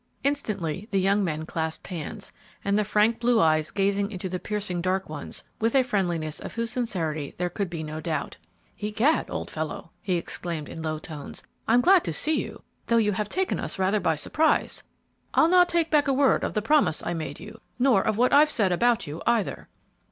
Instantly the young men clasped hands, and the frank, blue eyes gazed into the piercing dark ones, with a friendliness of whose sincerity there could be no doubt. "Egad, old fellow!" he exclaimed, in low tones, "I'm glad to see you, though you have taken us rather by surprise. I'll not take back a word of the promise I made you, nor of what I've said about you, either."